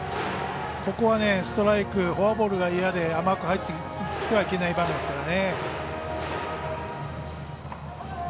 ここはストライクフォアボールが嫌で甘く入ってはいけない場面ですね。